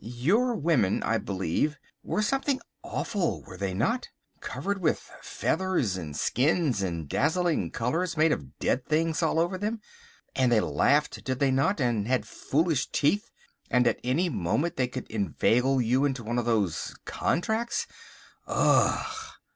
Your women, I believe, were something awful, were they not? Covered with feathers and skins and dazzling colours made of dead things all over them? And they laughed, did they not, and had foolish teeth, and at any moment they could inveigle you into one of those contracts! Ugh!"